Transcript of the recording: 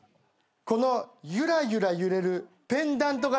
このゆらゆら揺れるペンダント型おぼん